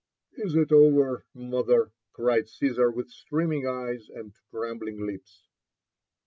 ^'Is it over, mother?" cried Gsesar with streaming eyes and trembling lips.